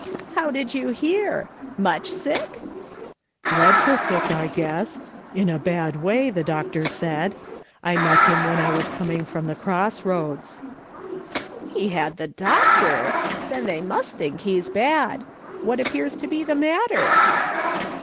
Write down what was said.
" How did you hear ? Much sick ?"" Dreadful sick, I guess. In a bad way, the doctor said ; I met him when I was coming from the cross roads." " He had the doctor ! Then they must think he's bad. What appears to be the matter?"